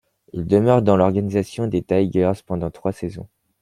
Il demeure dans l'organisation des Tigers pendant trois saisons.